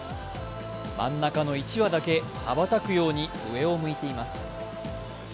真ん中の１羽だけ羽ばたくように上を向いています。